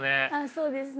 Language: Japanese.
そうですね。